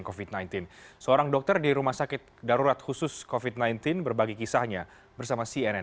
covid sembilan belas seorang dokter di rumah sakit darurat khusus covid sembilan belas berbagi kisahnya bersama cnn